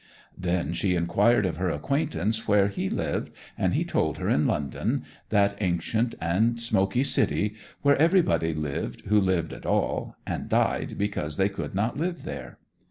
Then she inquired of her acquaintance where he lived, and he told her in London, that ancient and smoky city, where everybody lived who lived at all, and died because they could not live there.